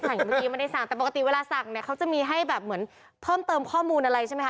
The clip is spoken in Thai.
เมื่อกี้ไม่ได้สั่งแต่ปกติเวลาสั่งเนี่ยเขาจะมีให้แบบเหมือนเพิ่มเติมข้อมูลอะไรใช่ไหมค